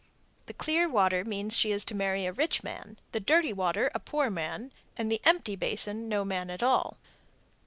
The clear water means she is to marry a rich man, the dirty water, a poor man, and the empty basin no man at all.